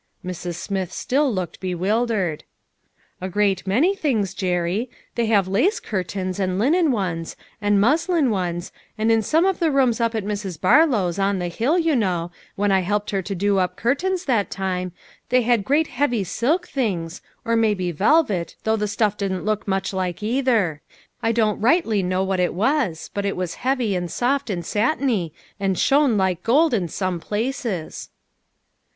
Mrs. Smith still looked bewildered. " A great many things, Jerry. They have lace curtains, and linen ones, and muslin ones, and in some of the rooms up at Mrs. Barlow's, on the hill, you know, when I helped her do up curtains that time, they had great heavy silk things, or maybe velvet, though the stuff didn't look much like either. I don't rightly know what it was, but it was heavy, and soft, and satiny, and shone like gold, in some places."